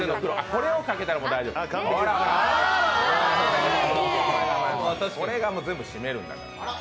これが全部締めるんですから。